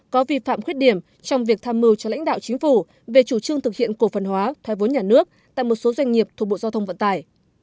có vi phạm khuyết điểm trong việc tham mưu cho lãnh đạo chính phủ về chủ trương thực hiện cổ phần hóa thoai vốn nhà nước tại một số doanh nghiệp thuộc bộ giao thông vận tải